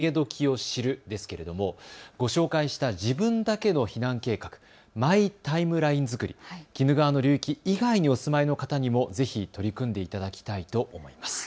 このうち３番目の自分の逃げどきを知るですけれどもご紹介した自分だけの避難計画、マイ・タイムライン作り、鬼怒川の流域以外にお住まいの方にもぜひ取り組んでいただきたいと思います。